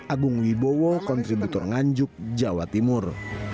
agung wibowo kontributor nganjuk jawa timur